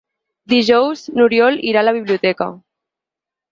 Dijous n'Oriol irà a la biblioteca.